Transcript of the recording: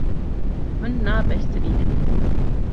Hûn nabersivînin.